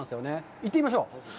行ってみましょう。